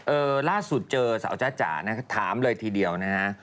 เออล่าสุดเจอเสาร์จ๊ะจ้าถามเลยทีเดียวนะฮะ